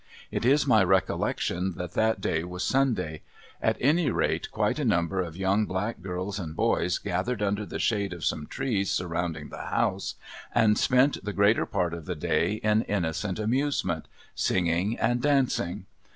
It is my recollection that that day was Sunday; at any rate, quite a number of young black girls and boys gathered under the shade of some trees surrounding the house and spent the greater part of the day in innocent amusement singing and dancing.